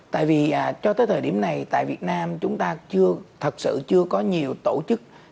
tại vì cho tới thời điểm này tại việt nam chúng ta chưa thật sự chưa có nhiều tổ chức